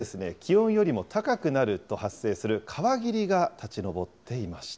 そしてこちら、美瑛川では、水温が気温よりも高くなると発生する川霧が立ち上っていました。